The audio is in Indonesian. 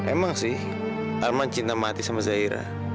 emang sih arman cinta mati sama zaira